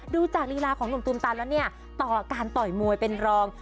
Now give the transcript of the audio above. ดูจากลีลาของหนุ่มตูมตันแล้วเนี่ยต่อการต่อยมวยเป็นรอง